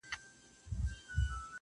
سپرلی ټینګه وعده وکړي چي راځمه,